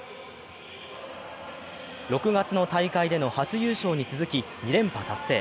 ６月の大会での初優勝に続き２連覇達成。